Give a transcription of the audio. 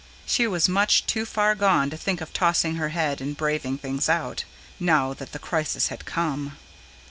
She was much too far gone to think of tossing her head and braving things out, now that the crisis had come.